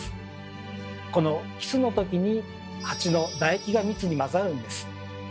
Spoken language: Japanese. このキスのときにハチのだ液が蜜に混ざるんです。